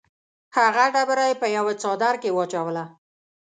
هغه ډبره یې په یوه څادر کې واچوله.